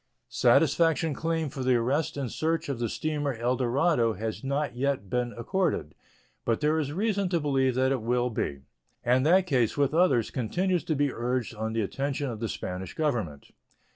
Satisfaction claimed for the arrest and search of the steamer El Dorado has not yet been accorded, but there is reason to believe that it will be; and that case, with others, continues to be urged on the attention of the Spanish Government.